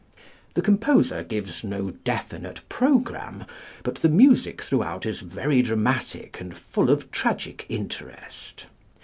The composer gives no definite programme, but the music throughout is very dramatic and full of tragic interest.